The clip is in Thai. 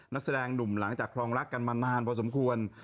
นักแสดงหนุ่มหลังจากครองรักกันมานานพอสมควร